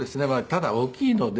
ただ大きいので。